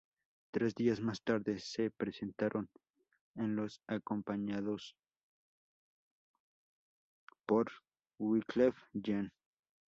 Tres días más tarde, se presentaron en los acompañados por Wyclef Jean.